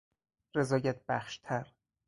رضایت بخشتر